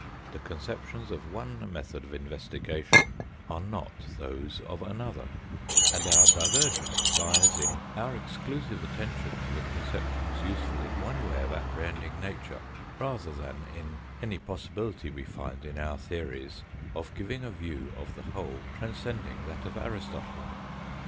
The conceptions of one method of investigation are not those of another ; and our divergence lies in our exclusive attention to the conceptions useful in one way of apprehending nature rather than in any possibility we find in our theories of giving a view of the whole tran scending that of Aristotle.